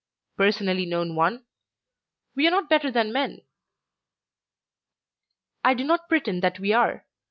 "Personally known one? We are not better than men." "I do not pretend that we are.